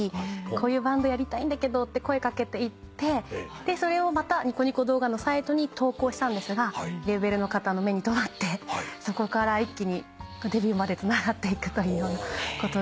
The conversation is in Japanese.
こういうバンドやりたいんだけどって声掛けていってそれをまたニコニコ動画のサイトに投稿したんですがレーベルの方の目に留まってそこから一気にデビューまでつながっていくというようなことがありました。